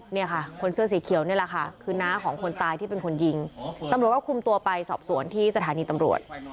เนี่ยค่ะคนเสื้อสีเขียวนี่แหละค่ะคือน้าของคนตายที่เป็นคนยิงตำรวจก็คุมตัวไปสอบสวนที่สถานีตำรวจ